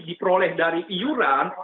diperoleh dari iuran